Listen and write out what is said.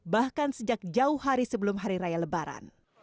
bahkan sejak jauh hari sebelum hari raya lebaran